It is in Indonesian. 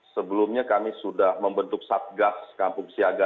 sebelumnya kami sudah membentuk satgas kampung siaga